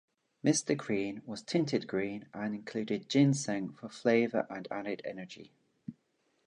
Mr. Green was tinted green, and included ginseng for flavor and added energy.